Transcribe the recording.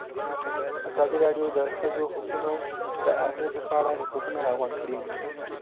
ازادي راډیو د د ښځو حقونه د اغېزو په اړه ریپوټونه راغونډ کړي.